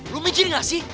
lu mikir gak sih